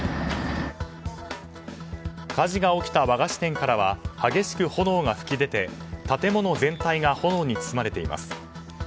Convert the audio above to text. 火事が起きた和菓子店からは激しく炎が噴き出て建物全体が炎に包まれています。